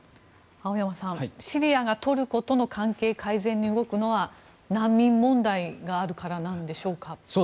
シリアがトルコとの関係改善に動くのは難民問題があるからなんでしょうか。